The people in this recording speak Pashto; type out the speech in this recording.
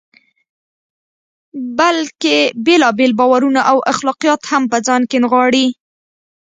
بلکې بېلابېل باورونه او اخلاقیات هم په ځان کې نغاړي.